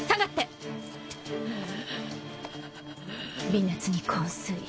微熱に昏睡